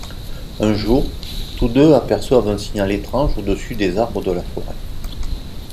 Un jour, tous deux aperçoivent un signal étrange au-dessus des arbres de la forêt.